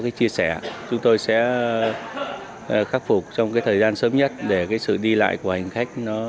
cái chia sẻ chúng tôi sẽ khắc phục trong cái thời gian sớm nhất để cái sự đi lại của hành khách nó được tốt hơn